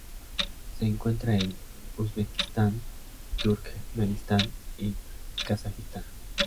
Se encuentra en Uzbekistán, Turkmenistán y Kazajistán.